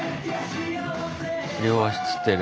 両足つってる。